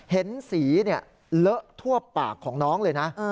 เห็นสีเลอะทั่วปากของน้องเลยนะ